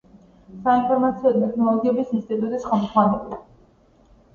საინფორმაციო ტექნოლოგიების ინსტიტუტის ხელმძღვანელი.